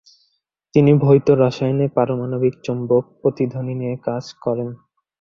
তিনি ভৌত রসায়নে পারমাণবিক চৌম্বক প্রতিধ্বনি নিয়ে কাজ করেন।